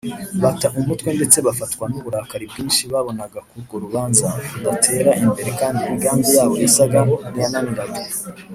bata umutwe ndetse bafatwa n’uburakari bwinshi babonaga ko urwo rubanza rudatera imbere; kandi imigambi yabo yasaga n’iyananiranye